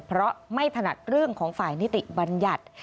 เพราะไม่ถนัดเรื่องของฝ่ายนิติบัญญัติ